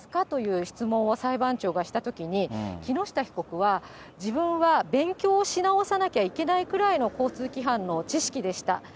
という質問を裁判長がしたときに、木下被告は、自分は勉強をし直さなきゃいけないくらいの交通規範の知識でした。